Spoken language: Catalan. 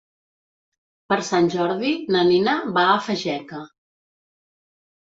Per Sant Jordi na Nina va a Fageca.